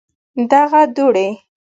دغه دوړي